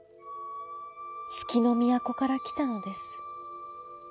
つきのみやこからきたのです。